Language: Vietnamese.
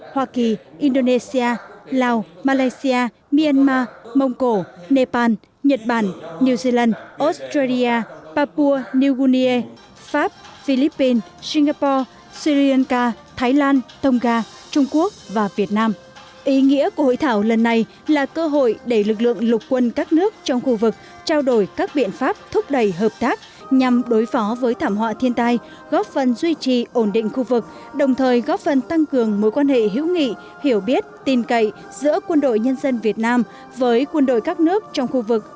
hội thảo có chủ đề hợp tác giữa lục quân các nước trong khu vực trao đổi các biện pháp thúc đẩy hợp tác nhằm đối phó với thảm họa thiên tai góp phần duy trì ổn định khu vực đồng thời góp phần tăng cường mối quan hệ giữa lục quân các nước trong khu vực